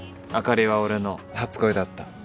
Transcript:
あかりは俺の初恋だった。